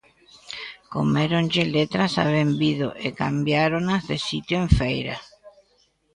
Coméronlle letras a "benvido" e cambiáronas de sitio en "feira".